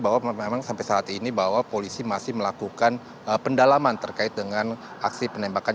bahwa memang sampai saat ini bahwa polisi masih melakukan pendalaman terkait dengan aksi penembakan